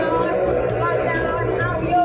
ถ้าไม่มีการเบรกแหละก็เราจะนิดแล้วก็